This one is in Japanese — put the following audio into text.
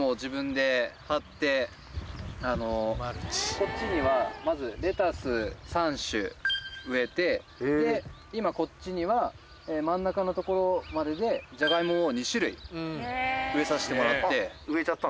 こっちにはまずレタス３種植えて今こっちには真ん中の所まででジャガイモを２種類植えさせてもらって。